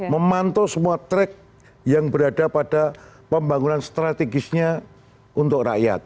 memantau semua track yang berada pada pembangunan strategisnya untuk rakyat